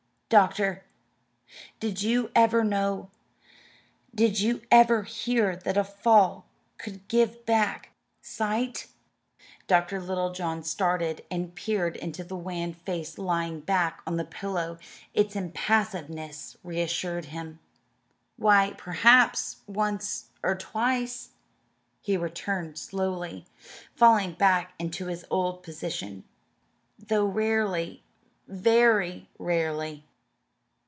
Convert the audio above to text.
"Doctor, did you ever know did you ever hear that a fall could give back sight?" Dr. Littlejohn started and peered into the wan face lying back on the pillow. Its impassiveness reassured him. "Why, perhaps once or twice," he returned slowly, falling back into his old position, "though rarely very rarely."